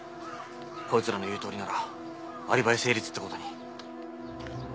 こいつらの言うとおりならアリバイ成立って事に。